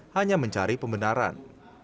hanya mencari pembenaran